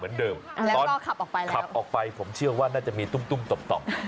หลือรถมอเตอร์ไซค์แล้วก็ปล่อยให้เจ้าของขอประกอบมอเตอร์ไซค์เอง